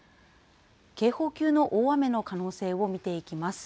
警報級の大雨の可能性を見ていきます。